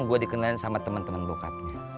gue dikenalin sama temen temen bokapnya